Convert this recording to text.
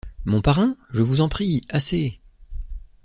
Mon parrain?... je vous en prie!... assez.